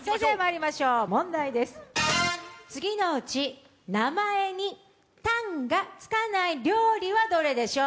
次のうち名前に「たん」がつかない料理はどれでしょう。